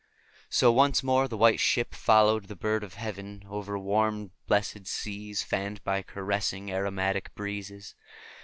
So once more the White Ship followed the bird of heaven, over warm blessed seas fanned by caressing, aromatic breezes.